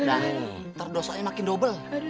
dan ntar dosanya makin dobel